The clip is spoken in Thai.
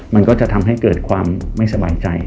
มันก็จะทำให้เกิดความไม่สบายใจ